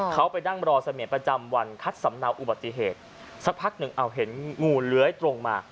เขาไปนั่งรอเสมียประจำวันคัดสำเนาอุบัติเหตุสักพักหนึ่งเอาเห็นงูเลื้อยตรงมา